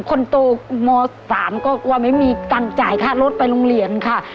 คนโตม๓ก็กลัวไม่มีตังค์จ่ายค่ารถไปโรงเรียนค่ะ